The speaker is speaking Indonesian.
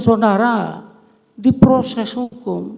saudara diproses hukum